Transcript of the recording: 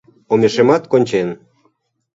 Омешемат кончен.